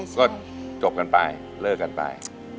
ก็จบกันไปเลิกกันไป